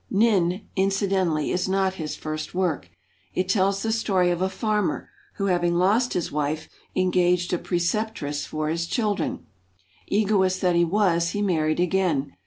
"N^ne", incidentally, is not his first work. It tells the story of a farmer who, having lost his wife, en gaged a preceptress for his children. Egoist that he was, he married again.